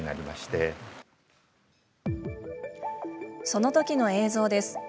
そのときの映像です。